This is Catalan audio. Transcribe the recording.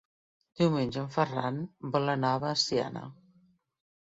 Diumenge en Ferran vol anar a Veciana.